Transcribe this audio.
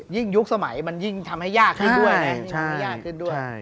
ยิ่งยุคสมัยมันยิ่งทำให้ยากขึ้นด้วย